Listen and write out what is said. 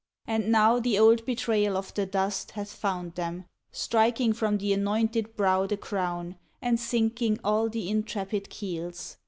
And now the old betrayal of the dust Hath found them, striking from the anointed brow The crown, and sinking all the intrepid keels.